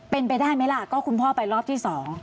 เป็นไปได้ไหมล่ะก็คุณพ่อไปรอบที่๒